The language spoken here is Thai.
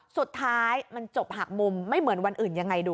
สุดท้ายมันจบหักมุมไม่เหมือนวันอื่นยังไงดู